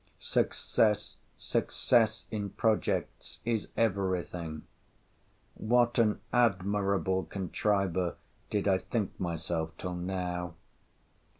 Success, success in projects, is every thing. What an admirable contriver did I think myself till now!